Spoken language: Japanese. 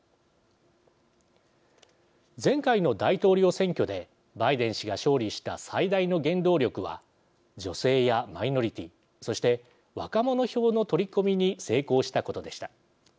前回の大統領選挙でバイデン氏が勝利した最大の原動力は女性やマイノリティーそして若者票の取り込みに成功したことでした。